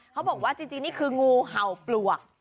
เขาบอกว่าจริงนี่คืองูเห่าปลวก